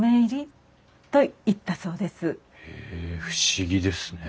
へえ不思議ですね。